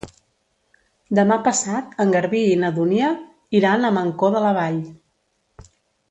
Demà passat en Garbí i na Dúnia iran a Mancor de la Vall.